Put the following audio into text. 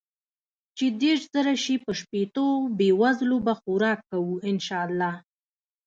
چې ديرش زره شي په شپيتو بې وزلو به خوراک کو ان شاء الله.